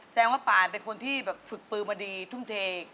ว่าป่านเป็นคนที่แบบฝึกปือมาดีทุ่มเท